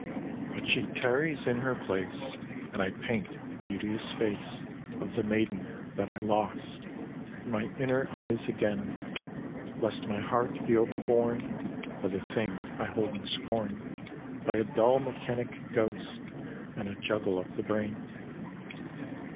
] XIII But she tarries in her place And I paint the beauteous face Of the maiden, that I lost, In my inner eyes again, Lest my heart be overborne, By the thing I hold in scorn, By a dull mechanic ghost And a juggle of the brain.